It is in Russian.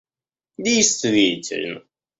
действительно